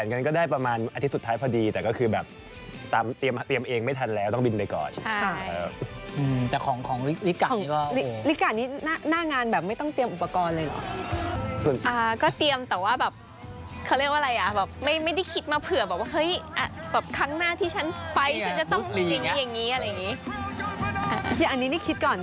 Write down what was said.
นี่ชุดเดี๋ยวนี้ไม่มีเช่าที่ร้านแน่นอน